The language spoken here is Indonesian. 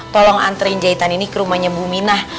tolong anterin jahitan ini ke rumahnya bu minah